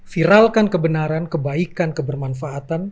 viralkan kebenaran kebaikan kebermanfaatan